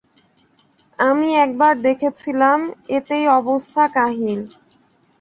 আমি একবার দেখেছিলাম, এতেই অবস্থা কাহিল।